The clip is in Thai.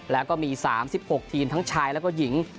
แล้วก็มี๓๖ทีมทั้งชายแล้วก็หญิง